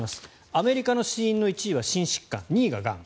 アメリカの死因の１位は心疾患２位はがん。